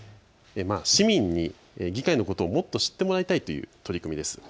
市民に議会のことをもっと知ってもらいたいという取り組みです。